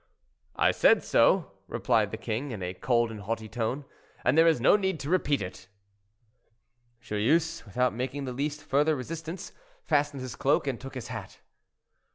"I said so," replied the king, in a cold and haughty tone, "and there is no need to repeat it." Joyeuse, without making the least further resistance, fastened his cloak and took his hat.